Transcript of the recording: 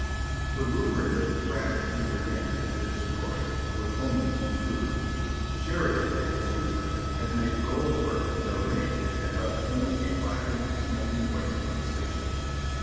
The rumor that the track at Beaver Dam had been destroyed was only too true ; Sheridan and his troopers had made thorough work in their raid and had left only a blackened, smoking waste of the station.